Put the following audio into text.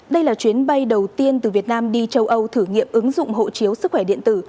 đây là chuyến bay đầu tiên từ việt nam đi châu âu thử nghiệm ứng dụng hộ chiếu sức khỏe điện tử